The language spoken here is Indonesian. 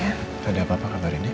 gak ada apa apa kabar ini